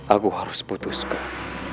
aku harus putuskan